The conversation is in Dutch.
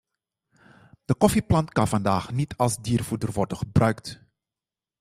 De koffieplant kan vandaag niet als diervoeder worden gebruikt.